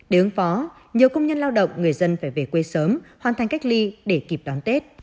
để ứng phó nhiều công nhân lao động người dân phải về quê sớm hoàn thành cách ly để kịp đón tết